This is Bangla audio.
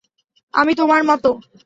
আমি তোমার মতো।